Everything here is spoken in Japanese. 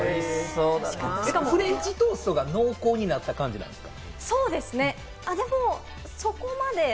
しかもフレンチトーストが濃厚になった感じですか？